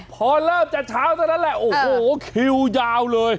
พอเริ่มจะเช้าเท่านั้นแหละโอ้โหคิวยาวเลย